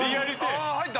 あ入った？